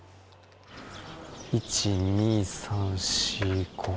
１、２、３、４、５。